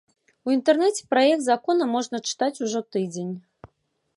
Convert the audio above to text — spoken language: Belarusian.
У інтэрнэце праект закона можна чытаць ужо тыдзень.